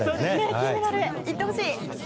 金メダルいってほしい。